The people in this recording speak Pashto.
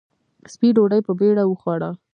سپۍ ډوډۍ په بېړه وخوړه.